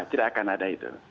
tidak akan ada itu